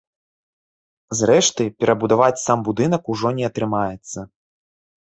Зрэшты, перабудаваць сам будынак ужо не атрымаецца.